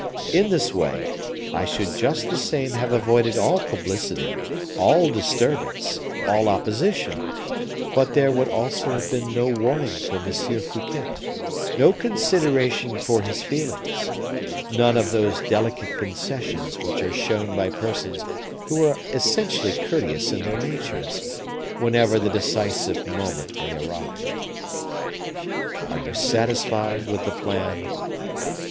In this way, I should just the same have avoided all publicity, all disturbance, all opposition; but there would also have been no warning for M. Fouquet, no consideration for his feelings, none of those delicate concessions which are shown by persons who are essentially courteous in their natures, whenever the decisive moment may arrive. Are you satisfied with the plan?"